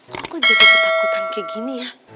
kok gue jadi ketakutan kayak gini ya